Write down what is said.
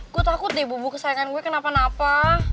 gue takut deh bubu kesayangan gue kenapa napa